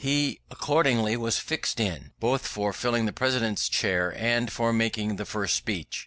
He accordingly was fixed on, both for filling the President's chair and for making the first speech.